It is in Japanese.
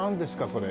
これ。